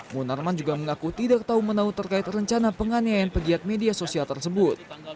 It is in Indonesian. munarman juga mengaku tidak tahu menau terkait rencana penganiayaan pegiat media sosial tersebut